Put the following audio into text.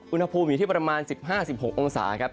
อุณหภูมิอยู่ที่ประมาณ๑๕๑๖องศาครับ